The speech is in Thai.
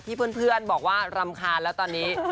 เพื่อนบอกว่ารำคาญแล้วตอนนี้